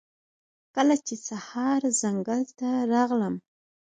کله چې سهار ځنګل ته راغلم